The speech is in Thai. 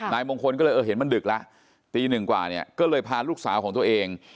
นายมงคลก็เลยเออเห็นมันดึกแล้วตีหนึ่งกว่าเนี่ยก็เลยพาลูกสาวของตัวเอง